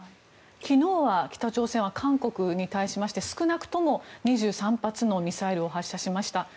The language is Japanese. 昨日は北朝鮮は韓国に対しまして少なくとも２３発のミサイルを発射しました。